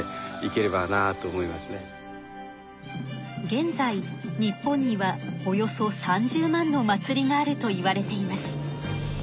現在日本にはおよそ３０万の祭りがあるといわれています。